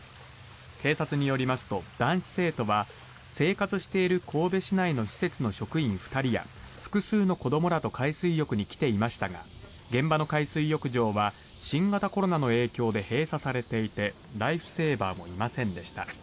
警察によりますと男子生徒は生活している神戸市の施設の職員２人や複数の子どもらと海水浴に来ていましたが現場の海水浴場は新型コロナの影響で閉鎖されていてライフセーバーもいませんでした。